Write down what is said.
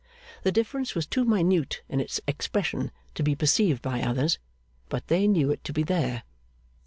The difference was too minute in its expression to be perceived by others, but they knew it to be there.